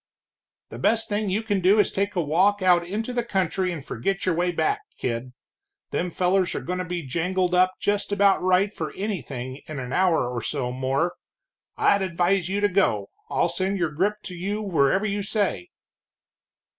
"The best thing you can do is to take a walk out into the country and forget your way back, kid. Them fellers are goin' to be jangled up just about right for anything in an hour or so more. I'd advise you to go I'll send your grip to you wherever you say."